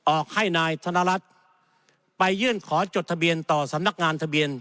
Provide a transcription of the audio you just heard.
ออกให้นายธนรัฐไปยื่นขอจดทะเบียนต่อสำนักงานทะเบียน